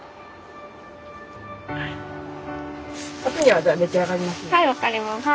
はい分かりました。